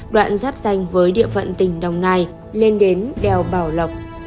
đoạn giáp danh với địa phận tỉnh đồng nai lên đến đèo bảo lộc